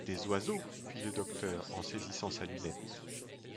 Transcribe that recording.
Des oiseaux ! fit le docteur en saisissant sa lunette.